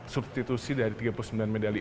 substitusi dari tiga puluh sembilan medali e